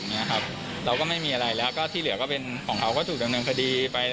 เราก็ไม่มีอะไรแล้วก็ที่เหลือก็เป็นของเขาก็ถูกดำเนินคดีไป